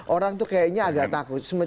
orang tuh kayaknya agak takut